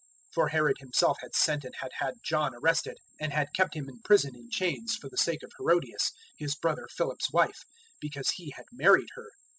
006:017 For Herod himself had sent and had had John arrested and had kept him in prison in chains, for the sake of Herodias, his brother Philip's wife; because he had married her.